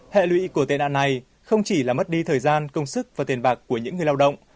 hệ lụy của tệ nạn này không chỉ là mất đi thời gian công sức và tiền bạc của những người lao động